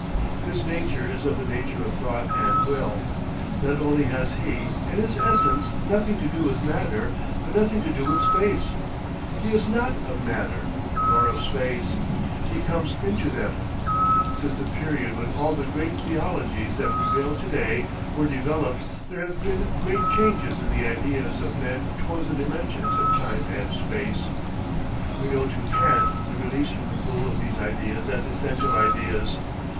His nature is of the nature of thought and will. Not only has he, in his essence, nothing to do with matter, but nothing to do with space. He is not of matter nor of space. He comes into them. Since the period when all the great theologies that prevail to day were developed, there have been great changes in the ideas of men towards the dimensions of time and space. We owe to Kant the release from the rule of these ideas as essential ideas.